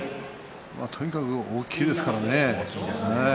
とにかく大きいですからね。